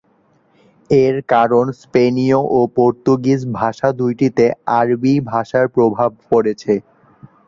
এর কারণ স্পেনীয় ও পর্তুগিজ ভাষা দুইটিতে আরবি ভাষার প্রভাব পড়েছে।